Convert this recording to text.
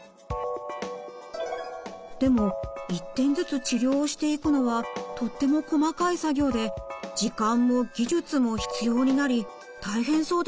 でも一点ずつ治療をしていくのはとっても細かい作業で時間も技術も必要になり大変そうですね。